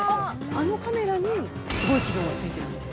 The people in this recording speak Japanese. あのカメラにすごい機能がついているんです。